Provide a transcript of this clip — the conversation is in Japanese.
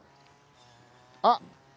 あっ！